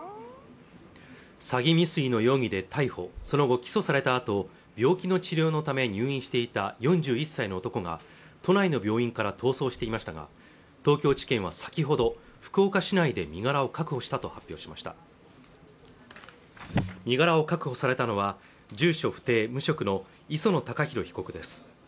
詐欺未遂の容疑で逮捕その後起訴されたあと病気の治療のため入院していた４１歳の男が都内の病院から逃走していましたが東京地検は先ほど福岡市内で身柄を確保したと発表しました身柄を確保されたのは住所不定無職の磯野貴博被告です